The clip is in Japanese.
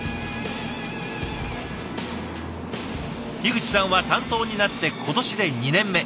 口さんは担当になって今年で２年目。